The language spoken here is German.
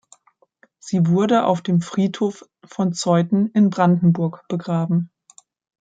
Sie wurde auf dem Friedhof von Zeuthen in Brandenburg begraben.